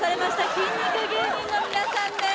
筋肉芸人の皆さんです